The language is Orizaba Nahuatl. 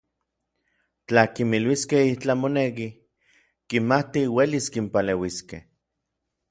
Tla kinmiluiskej itlaj moneki, kimatij uelis kinpaleuiskej.